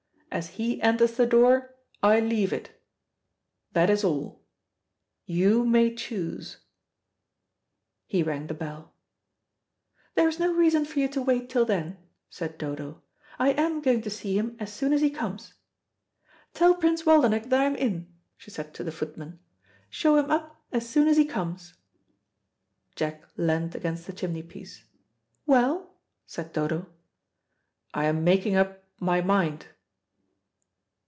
As he enters the door I leave it. That is all. You may choose." He rang the bell. "There is no reason for you to wait till then," said Dodo. "I am going to see him as soon as he comes. Tell Prince Waldenech that I am in," she said to the footman. "Show him up as soon as he comes." Jack leant against the chimney piece. "Well?" said Dodo. "I am making up my mind."